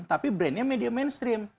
tapi brandnya media mainstream